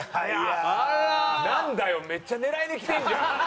なんだよめっちゃ狙いにきてんじゃん。